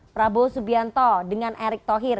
prabowo subianto dengan erick thohir